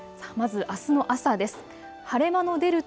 まずあすの朝です。